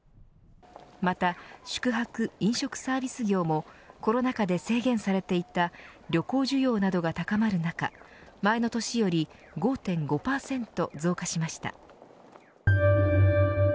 また、宿泊・飲食サービス業もコロナ禍で制限されていた旅行需要などが高まる中前の年より５．５％増加しました。